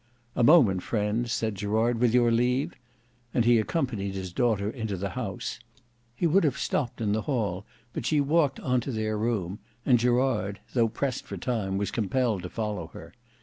"A moment, friends," said Gerard, "with your leave;" and he accompanied his daughter into the house. He would have stopped in the hall, but she walked on to their room, and Gerard, though pressed for time, was compelled to follow her.